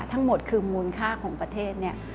ทั้งหมดคือมูลค่าของประเทศเนี่ย